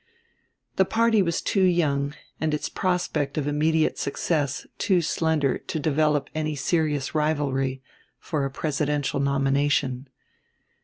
The party was too young and its prospect of immediate success too slender to develop any serious rivalry for a presidential nomination.